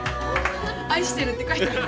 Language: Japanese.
愛してるって書いてある。